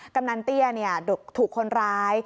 กำนันเตี้ยถูกคนร้าย